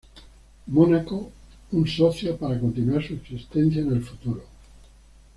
Mónaco un socio para continuar su existencia en el futuro.